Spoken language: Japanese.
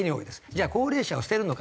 じゃあ高齢者を捨てるのか？